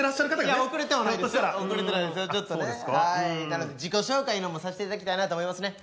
なので自己紹介の方もさせていただきたいなと思いますね。